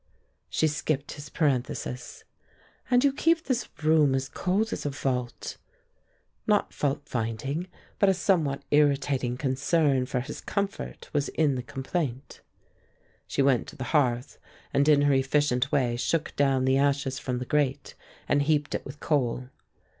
She skipped his parenthesis. "And you keep this room as cold as a vault." Not faultfinding, but a somewhat irritating concern for his comfort was in the complaint. She went to the hearth and in her efficient way shook down the ashes from the grate and heaped it with coal.